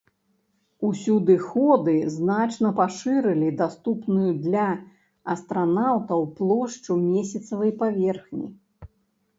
Усюдыходы значна пашырылі даступную для астранаўтаў плошчу месяцавай паверхні.